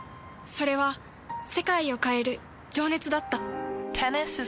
それは世界を変える情熱だった。